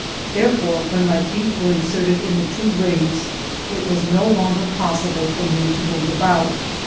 Therefore, when my feet were inserted in the two rings, it was no longer possible for me to move about.